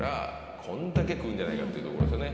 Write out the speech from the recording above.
こんだけ食うんじゃないかっていうところですよね。